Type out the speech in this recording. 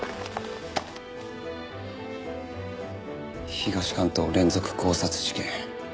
東関東連続強殺事件。